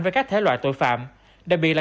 với các thể loại tội phạm đặc biệt là